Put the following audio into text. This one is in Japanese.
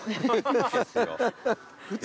ハハハッ。